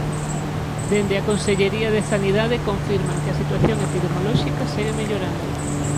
Dende a Consellería de Sanidade confirman que a situación epidemiolóxica segue mellorando.